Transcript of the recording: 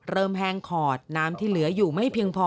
แห้งขอดน้ำที่เหลืออยู่ไม่เพียงพอ